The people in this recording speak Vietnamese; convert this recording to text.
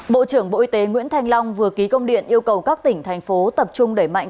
bộ trưởng bộ y tế nguyễn thanh long vừa ký công điện yêu cầu các tỉnh thành phố tập trung đẩy mạnh